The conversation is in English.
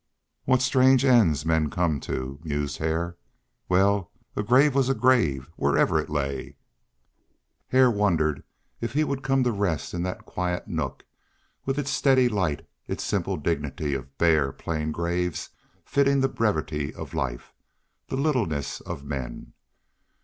"What strange ends men come to!" mused Hare. Well, a grave was a grave, wherever it lay. He wondered if he would come to rest in that quiet nook, with its steady light, its simple dignity of bare plain graves fitting the brevity of life, the littleness of man.